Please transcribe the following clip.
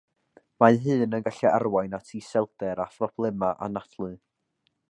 Mae hyn yn gallu arwain at iselder a phroblemau anadlu